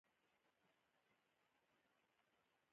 کېله د معافیت سیستم پیاوړی کوي.